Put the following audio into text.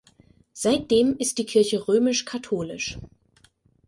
Seitdem ist die Kirche römisch-katholisch.